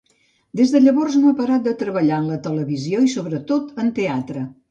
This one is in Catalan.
Des de llavors no ha parat de treballar en televisió i, sobretot, en teatre.